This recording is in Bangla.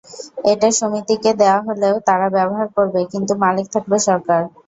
এটা সমিতিকে দেওয়া হলেও তারা ব্যবহার করবে, কিন্তু মালিক থাকবে সরকার।